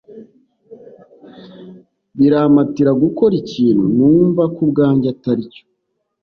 birampatira gukora ikintu numva kubwange ataricyo